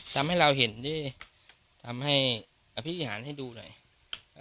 ทำให้เราเห็นนี่ทำให้อภิหารให้ดูหน่อยอ่า